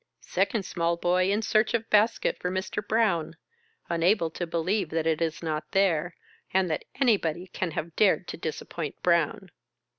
Second small boy in search of basket for Mr. Brown, unable to believe that it is not there, and that anybody can have dared to disappoint Brown.